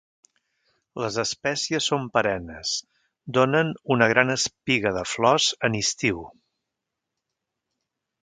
Les espècies són perennes, donen una gran espiga de flors en estiu.